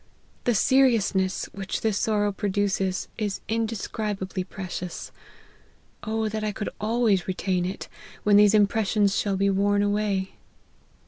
The seriousness which this sorrow produces, is indescribably precious ; O that I could always retain it, when these impres sions shall be worn away